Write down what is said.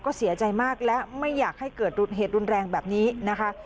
ก็เสียใจมากและไม่อยากให้เกิดเหตุรุนแรงแบบนี้นะคะ